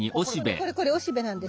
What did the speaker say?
これこれおしべなんです。